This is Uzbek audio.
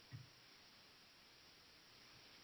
Bu yaqin atrofda sim karta sotib olsa bo'ladimi?